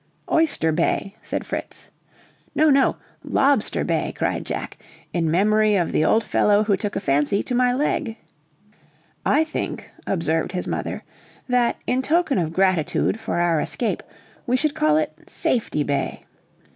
"Oyster Bay," said Fritz. "No, no! Lobster Bay," cried Jack, "in memory of the old fellow who took a fancy to my leg!" "I think," observed his mother, "that, in token of gratitude for our escape, we should call it Safety Bay."